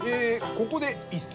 ここで一席。